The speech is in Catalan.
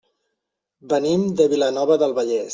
Venim de Vilanova del Vallès.